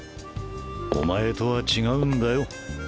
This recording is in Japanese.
お前とは違うんだよ。